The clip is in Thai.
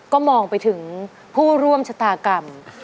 ก็มองไปถึงผู้ร่วมชะตากรรม